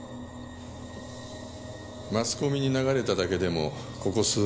マスコミに流れただけでもここ数年でこんな。